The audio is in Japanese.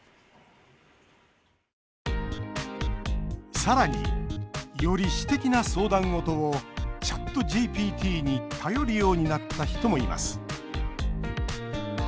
さらに、より私的な相談事をＣｈａｔＧＰＴに頼るようになった人もいます。